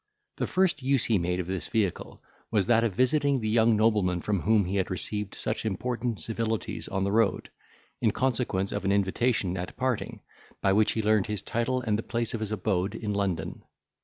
The first use he made of this vehicle was that of visiting the young nobleman from whom he had received such important civilities on the road, in consequence of an invitation at parting, by which he learned his title and the place of his abode in London.